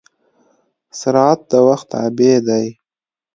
سرعت د وخت تابع دی.